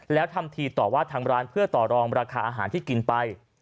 แล้วทำทีต่อว่าทางร้านเพื่อต่อรองราคาอาหารที่กินไป